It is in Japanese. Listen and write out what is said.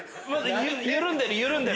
緩んでる緩んでる。